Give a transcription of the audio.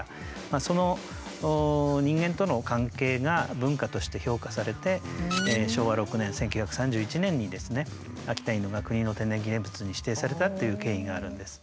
その人間との関係が文化として評価されて昭和６年１９３１年にですね秋田犬が国の天然記念物に指定されたっていう経緯があるんです。